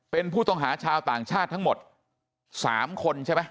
เป็นผู้ต้องหาชาวต่างชาติทั้งหมด๓คนใช่ไหม